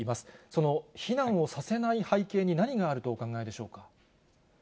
その避難をさせない背景に、何があるとお考えでしょうか。